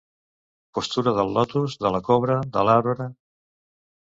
Postura del lotus, de la cobra, de l'arbre.